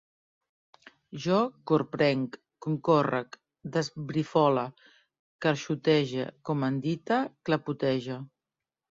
Jo corprenc, concórrec, desbrifole, carxotege, comandite, clapotege